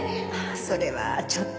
それはちょっと。